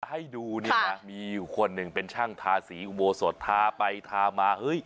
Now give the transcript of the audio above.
อะไรให้ดูนะคะมีคนหนึ่งเป็นช่างทาสีอุโบสถาไปทามา